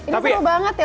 ini seru banget ya